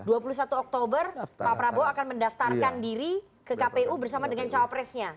pada saat itu pak prabowo akan mendaftarkan diri ke kpu bersama dengan cawapresnya